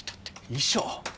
遺書！？